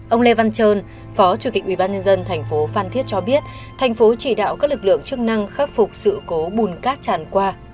ông lê văn trơn phó chủ tịch ubnd thành phố phan thiết cho biết thành phố chỉ đạo các lực lượng chức năng khắc phục sự cố bùn cát tràn qua